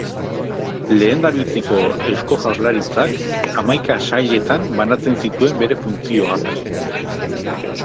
Lehendabiziko Eusko Jaurlaritzak hamaika sailetan banatzen zituen bere funtzioak.